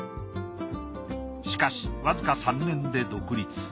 しかしわずか３年で独立。